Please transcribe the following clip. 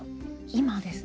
今ですね